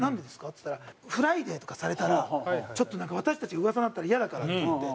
っつったら「フライデーとかされたらちょっと私たち噂になったらイヤだから」って言って。